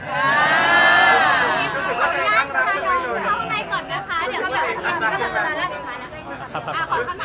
เฮ้อครับ